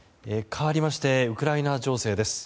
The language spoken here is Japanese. かわりましてウクライナ情勢です。